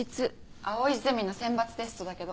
藍井ゼミの選抜テストだけど。